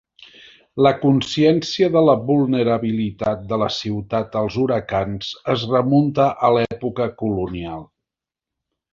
La consciència de la vulnerabilitat de la ciutat als huracans es remunta a l'època colonial.